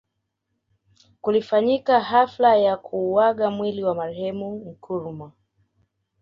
Kulifanyika hafla ya kuuaga mwili wa marehemu Nkrumah